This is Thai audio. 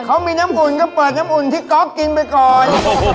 เขามีน้ำอุ่นก็เปิดน้ำอุ่นที่ก๊อฟกินไปก่อน